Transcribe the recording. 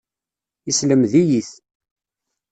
Yeslemed-iyi-t.